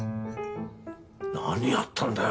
何やったんだよ？